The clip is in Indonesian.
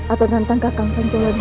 atau tentang kakang sanjolodaya